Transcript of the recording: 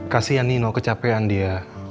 kasian nino kecapean dia